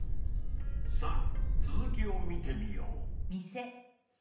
さあ続きを見てみよう。